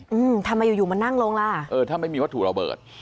อืมทำไมอยู่อยู่มันนั่งลงล่ะเออถ้าไม่มีวัตถุระเบิด